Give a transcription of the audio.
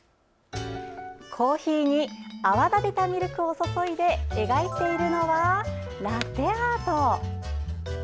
コーヒーに泡立てたミルクを注いで描いているのは、ラテアート。